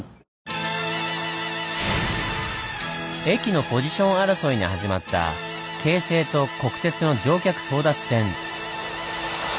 駅のポジション争いに始まった京成と国鉄の乗客争奪戦。